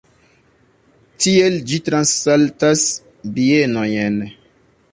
Tiel ĝi transsaltas bienojn.